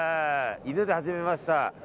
犬で始めました。